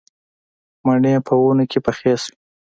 مڼې په ونو کې پخې شوې